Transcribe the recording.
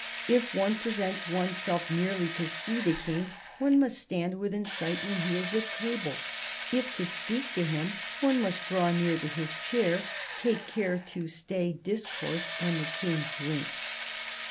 ... If one presents one's self merely to see the King, one must stand within sight when he is at table ; if to speak to him, one must draw near to his chair. Take care to stay discourse when the King drinks.